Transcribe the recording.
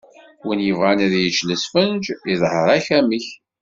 Win yebɣan ad yečč lesfenǧ, iḍher-ak amek.